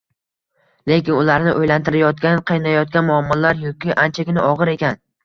Lekin ularni oʻylantirayotgan, qiynayotgan muammolar yuki anchagina ogʻir ekan